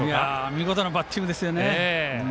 見事なバッティングですね。